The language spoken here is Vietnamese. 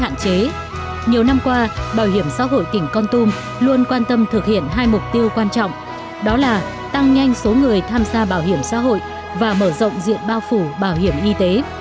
nhiều năm qua bảo hiểm xã hội tỉnh con tum luôn quan tâm thực hiện hai mục tiêu quan trọng đó là tăng nhanh số người tham gia bảo hiểm xã hội và mở rộng diện bao phủ bảo hiểm y tế